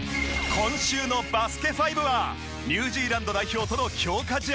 今週の『バスケ☆ＦＩＶＥ』はニュージーランド代表との強化試合。